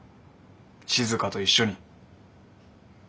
静と一緒に。